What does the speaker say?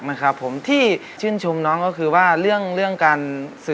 วันนี้เราเก่งเท่านี้